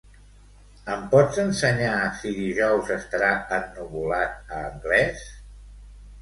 Em pots ensenyar si dijous estarà ennuvolat a Anglès?